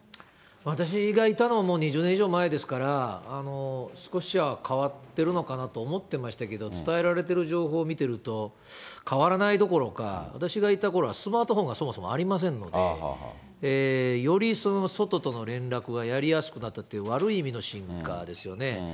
私がいたのもう、２０年以上前ですから、少しは変わってるのかなと思ってましたけど、伝えられている情報を見てると、変わらないどころか、私がいたころはスマートフォンがそもそもありませんので、より外との連絡がやりやすくなったという悪い意味の進化ですよね。